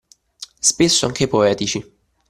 Spesso anche poetici.